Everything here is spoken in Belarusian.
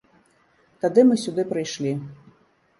Тады мы сюды прыйшлі.